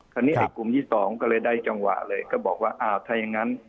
คณิกกลุ่มที่๒ก็เลยได้จังหวะเลยก็บอกว่าอ่ะถ้ายังไง